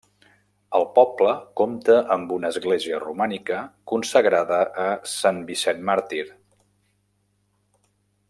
El poble compta amb una església romànica consagrada a Sant Vicent Màrtir.